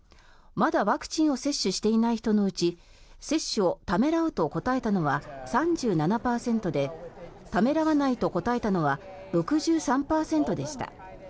まだワクチンを接種していない人のうち接種をためらうと答えたのは３７％でためらわないと答えたのは６３％でした。